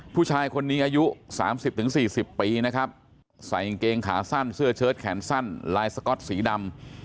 ผู้ชายคนนี้อายุ๓๐๔๐ปีนะครับใส่กางเกงขาสั้นเสื้อเชิดแขนสั้นลายสก๊อตสีดำ